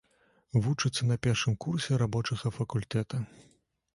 Вучыцца на першым курсе рабочага факультэта.